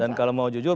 dan kalau mau jujur